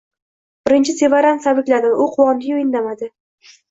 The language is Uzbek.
Birinchi Sevarani tabrikladim, u quvondi-yu, indamadi